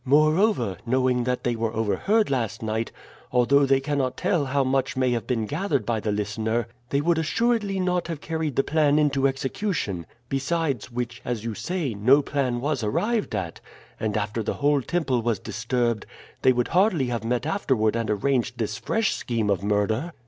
Moreover, knowing that they were overheard last night, although they cannot tell how much may have been gathered by the listener, they would assuredly not have carried the plan into execution; besides which, as you say, no plan was arrived at, and after the whole temple was disturbed they would hardly have met afterward and arranged this fresh scheme of murder.